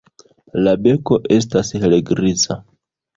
La beko estas helgriza.